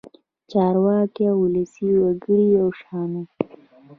چارواکي او ولسي وګړي یو شان وو.